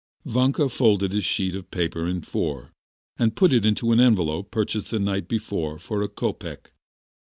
Vanka folded his sheet of paper in four, and put it into an envelope purchased the night before for a kopek.